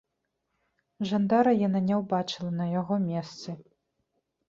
Жандара яна не ўбачыла на яго месцы.